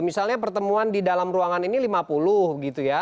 misalnya pertemuan di dalam ruangan ini lima puluh gitu ya